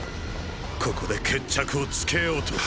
ここで決着をつけようと。